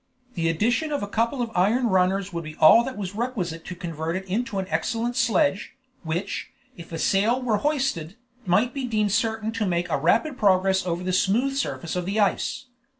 The addition of a couple of iron runners would be all that was requisite to convert it into an excellent sledge, which, if a sail were hoisted, might be deemed certain to make a rapid progress over the smooth surface of the ice.